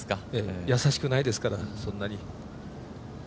やさしくないですから、そんなに。